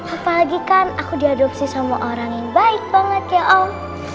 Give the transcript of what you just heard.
apalagi kan aku diadopsi sama orang yang baik banget ya om